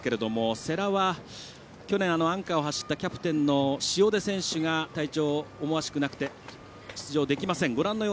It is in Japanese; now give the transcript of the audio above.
世羅は、去年アンカーを走ったキャプテンの塩出選手が体調が思わしくなく出場できません。